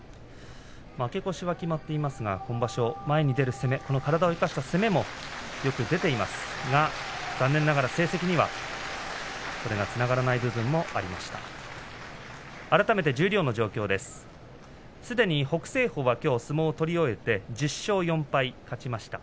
負け越しは決まっていますが今場所前に出る攻め体を生かした攻めもよく出ていますが残念ながら成績にはつながらない部分はありました。